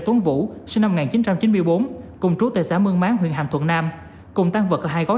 tuấn vũ sinh năm một nghìn chín trăm chín mươi bốn cùng trú tại xã mương máng huyện hàm thuận nam cùng tăng vật ở hai gói